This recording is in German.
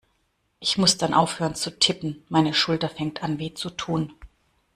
Ich muss dann aufhören zu tippen, meine Schulter fängt an weh zu tun.